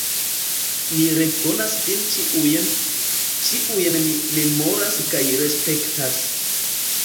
Mi rekonas vin ĉiujn, ĉiujn mi memoras kaj respektas.